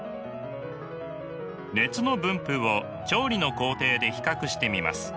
熱の分布を調理の工程で比較してみます。